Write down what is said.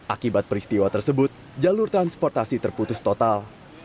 akibat peristiwa tersebut jalur transportasi terputus total